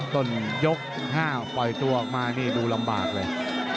ต้นยก๕ปล่อยตัวออกมานี่ดูลำบากเลย